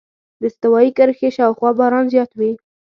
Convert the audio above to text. د استوایي کرښې شاوخوا باران زیات وي.